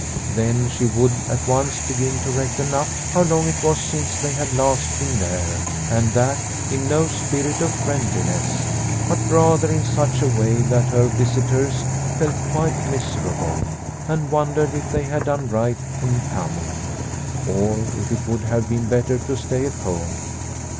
Then she would at once begin to reckon up how long it was since they had last been there, and that in no spirit of friendliness, but rather in such a way that her visitors felt quite miserable, and wondered if they had done right in coming, or if it would have been better to stay at home.